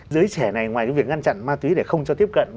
giới trẻ này ngoài việc ngăn chặn ma túy để không cho tiếp cận